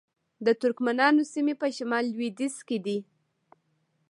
د ترکمنانو سیمې په شمال لویدیځ کې دي